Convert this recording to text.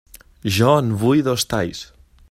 Jo en vull dos talls.